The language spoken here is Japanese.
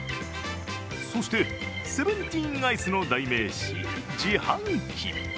そしてセブンティーンアイスの代名詞、自販機。